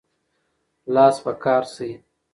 لاس په کار شئ.